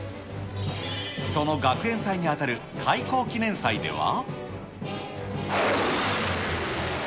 その学園祭に当たる開校記念祭では。